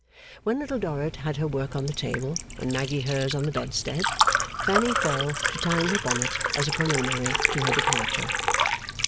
When Little Dorrit had her work on the table, and Maggy hers on the bedstead, Fanny fell to tying her bonnet as a preliminary to her departure.